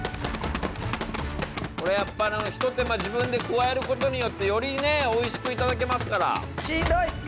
これは一手間自分で加えることによってよりねおいしくいただけますから！